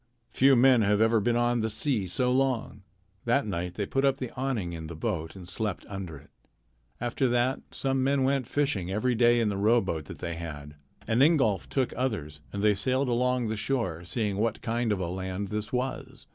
"Few men have ever been on the sea so long." That night they put up the awning in the boat and slept under it. After that some men went fishing every day in the rowboat that they had. And Ingolf took others, and they sailed along the shore, seeing what kind of a land this was.